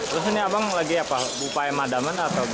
terus ini abang lagi apa upaya madaman atau gimana